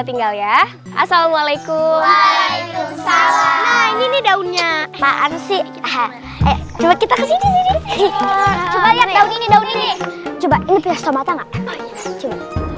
tinggal ya assalamualaikum ini daunnya maaf sih coba kita ke sini coba ini coba ini